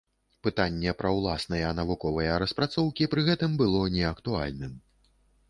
Пытанне пра ўласныя навуковыя распрацоўкі пры гэтым было не актуальным.